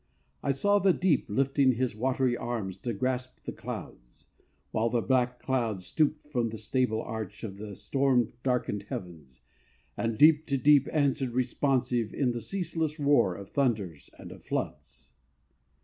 I saw the deep Lifting his watery arms to grasp the clouds, While the black clouds stooped from the sable arch Of the storm darkened heavens, and deep to deep Answered responsive in the ceaseless roar Of thunders and of floods.